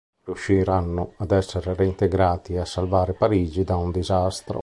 Riusciranno ad essere reintegrati e a salvare Parigi da un disastro.